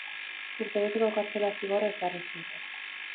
Urtebeteko kartzela zigorra ezarri zioten.